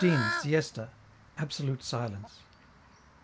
Siesta. Absolute Silence.